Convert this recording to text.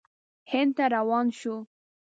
هند ته روان شو.